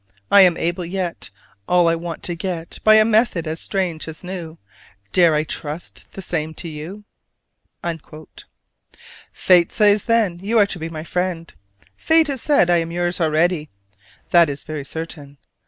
I am able yet All I want to get By a method as strange as new: Dare I trust the same to you?" Fate says, then, you are to be my friend. Fate has said I am yours already. That is very certain.